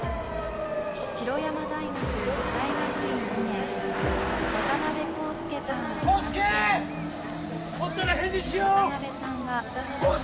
白山大学大学院２年渡辺康介さんを康介！